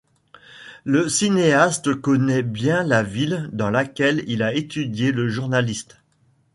Le cinéaste connait bien la ville dans laquelle il a étudié le journaliste.